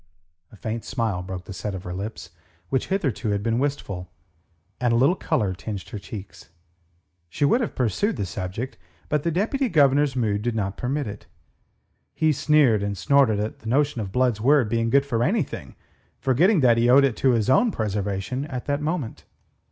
A faint smile broke the set of her lips, which hitherto had been wistful, and a little colour tinged her cheeks. She would have pursued the subject, but the Deputy Governor's mood did not permit it. He sneered and snorted at the notion of Blood's word being good for anything, forgetting that he owed to it his own preservation at that moment.